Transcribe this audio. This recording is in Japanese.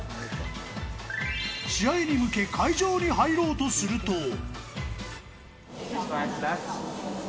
試合に向け、会場に入ろうとすると。